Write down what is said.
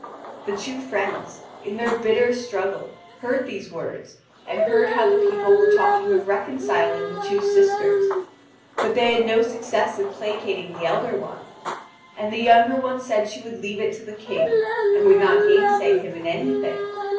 The two friends, in their bitter struggle, heard these words, and heard how the people were talking of reconciling the two sisters; but they had no success in placating the elder one. And the younger one said she would leave it to the King, and would not gainsay him in anything.